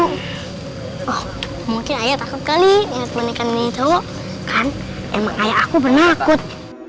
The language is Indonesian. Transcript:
oh mungkin ayah takut kali ini boneka nini tawo kan emang ayah aku benarkut